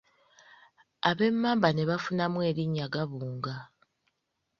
Ab'emmamba ne bafunamu erinnya Gabunga.